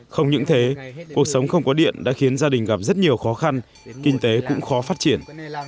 không những thế cuộc sống không có điện đã khiến gia đình gặp rất nhiều khó khăn kinh tế cũng khó phát triển